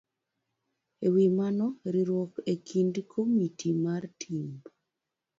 E wi mano, riwruok e kind komiti mar timb